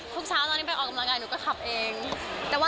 คุณแอแม่ค่ะ